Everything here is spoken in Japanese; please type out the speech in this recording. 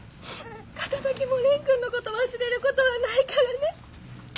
片ときも蓮くんのこと忘れることはないからね。